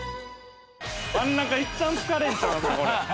真ん中いっちゃん疲れるんちゃうんすかこれ。